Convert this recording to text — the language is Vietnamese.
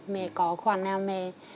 mẹ có khoản nào mẹ